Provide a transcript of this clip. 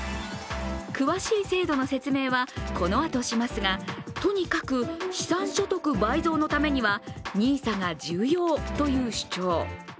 詳しい制度の説明はこのあとしますが、とにかく資産所得倍増のためにはＮＩＳＡが重要という主張。